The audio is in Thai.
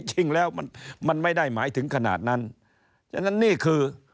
ฉะนั้นนี่คือ